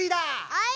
はい！